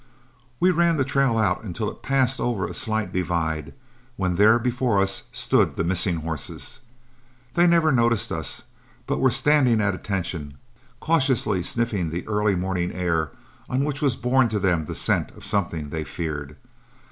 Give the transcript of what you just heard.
We ran the trail out until it passed over a slight divide, when there before us stood the missing horses. They never noticed us, but were standing at attention, cautiously sniffing the early morning air, on which was borne to them the scent of something they feared.